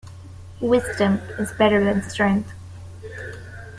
Wisdom is better than strength.